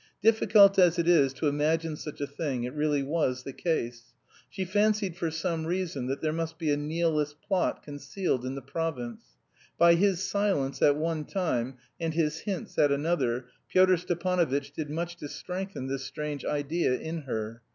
Difficult as it is to imagine such a thing, it really was the case. She fancied for some reason that there must be a nihilist plot concealed in the province. By his silence at one time and his hints at another Pyotr Stepanovitch did much to strengthen this strange idea in her.